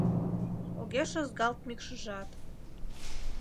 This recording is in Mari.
Огеш ызгалт мӱкшыжат